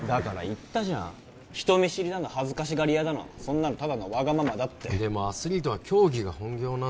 言ったじゃん人見知りだの恥ずかしがり屋だのそんなのただのワガママだってでもアスリートは競技が本業なんです